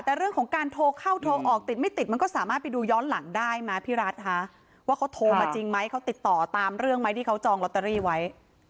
แต่เรื่องของการโทรเข้าโทรออกติดไม่ติดมันก็สามารถไปดูย้อนหลังได้นะพี่รัฐคะว่าเขาโทรมาจริงไหมเขาติดต่อตามเรื่องไหมที่เขาจองลอตเตอรี่ไว้